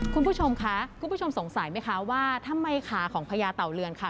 คุณผู้ชมคะคุณผู้ชมสงสัยไหมคะว่าทำไมขาของพญาเต่าเรือนค่ะ